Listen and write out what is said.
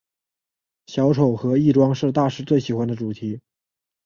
小丑和易装是大师最喜欢的主题。